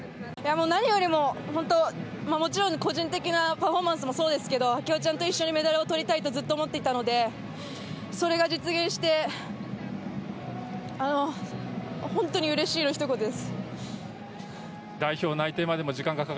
何よりももちろん個人的なパフォーマンスもそうですけど啓代ちゃんと一緒にメダルをとりたいとずっと思ってたのでそれが実現して本当にうれしいのひと言です。